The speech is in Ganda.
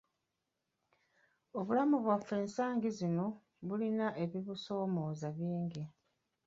Obulamu bwaffe ensangi zino bulina ebibusoomooza bingi.